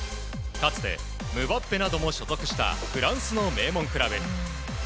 かつて、ムバッペなども所属したフランスの名門クラブ。